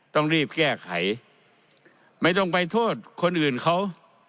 ต้องรีบแก้ไขไม่ต้องไปโทษคนอื่นเขา